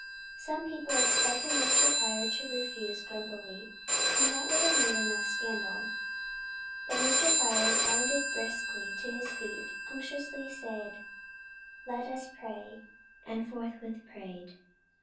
Some people expected Mr. Pryor to refuse grumpily and that would have made enough scandal. But Mr. Pryor bounded briskly to his feet, unctuously said, "Let us pray," and forthwith prayed.